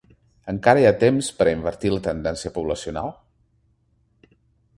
Encara hi ha temps per a invertir la tendència poblacional?